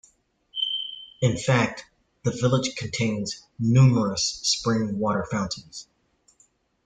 In fact the village contains numerous spring water fountains.